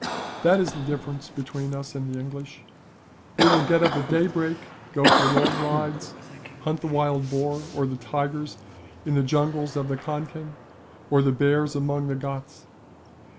That is the difference between us and the English. These will get up at daybreak, go for long rides, hunt the wild boar or the tigers in the jungles of the Concan, or the bears among the Ghauts.